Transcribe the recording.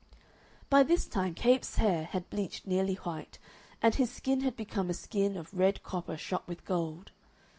By this time Capes' hair had bleached nearly white, and his skin had become a skin of red copper shot with gold.